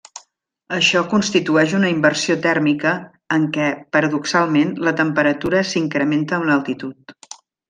Això constitueix una inversió tèrmica en què paradoxalment la temperatura s'incrementa amb l'altitud.